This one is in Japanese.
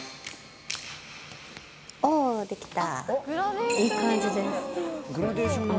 おおできた。